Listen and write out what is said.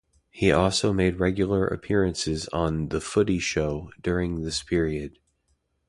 He also made regular appearances on The Footy Show during this period.